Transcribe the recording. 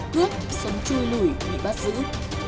cướp sống chui lủi bị bắt giữ